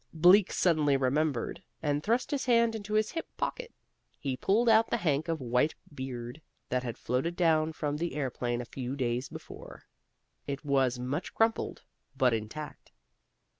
Bleak suddenly remembered, and thrust his hand in his hip pocket. He pulled out the hank of white beard that had floated down from the airplane a few days before. It was much crumpled, but intact.